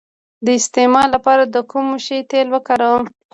د استما لپاره د کوم شي تېل وکاروم؟